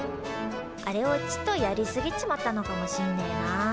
あれをちっとやりすぎちまったのかもしんねえな。